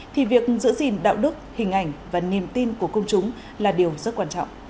thì việc giữ gìn đạo đức hình ảnh và niềm tin của công chúng là điều rất quan trọng